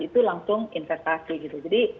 itu langsung investasi jadi